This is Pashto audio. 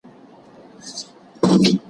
ایا غیبت نه کېږي؟